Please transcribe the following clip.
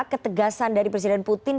ketegasan dari presiden putin